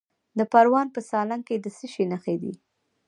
د پروان په سالنګ کې د څه شي نښې دي؟